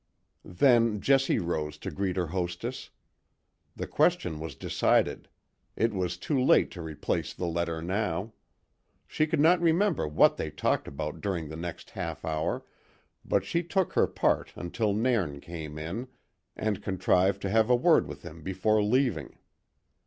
Then Jessie rose to greet her hostess. The question was decided; it was too late to replace the letter now. She could not remember what they talked about during the next half hour, but she took her part until Nairn came in, and contrived to have a word with him before leaving.